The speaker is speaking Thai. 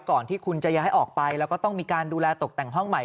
ก่อนที่คุณจะย้ายออกไปแล้วก็ต้องมีการดูแลตกแต่งห้องใหม่